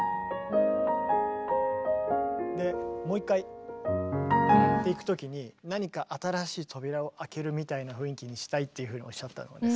でもう一回っていくときに何か新しい扉を開けるみたいな雰囲気にしたいっていうふうにおっしゃったのがね